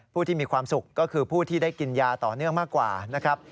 ผู้ที่มีความสุขก็คือผู้ที่ได้กินยาต่อเนื่องมากกว่านะครับ